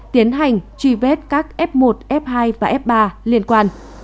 tiến hành truy vết các f một f hai và f ba liên quan